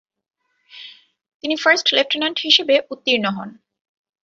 তিনি first lieutenant হিসেবে উত্তীর্ণ হন।